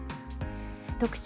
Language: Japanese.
特集